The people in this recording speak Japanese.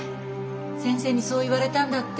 先生にそう言われたんだって。